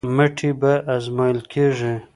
مټې به ازمویل کېږي.